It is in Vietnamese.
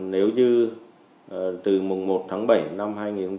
nếu như từ mùng một tháng bảy năm hai nghìn hai mươi